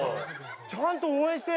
ちゃんと応援して。